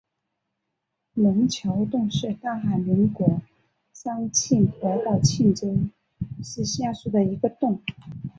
龙江洞是大韩民国庆尚北道庆州市下辖的一个洞。